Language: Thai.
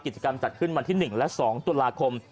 กิจกรรมจัดขึ้นวันที่๑และ๒ตุลาคม